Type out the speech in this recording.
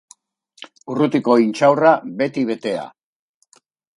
Urrutiko intxaurra, beti betea.